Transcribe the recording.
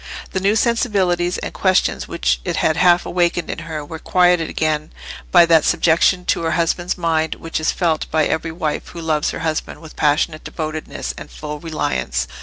The new sensibilities and questions which it had half awakened in her were quieted again by that subjection to her husband's mind which is felt by every wife who loves her husband with passionate devotedness and full reliance.